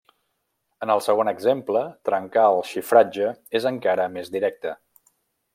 En el segon exemple, trencar el xifratge és encara més directe.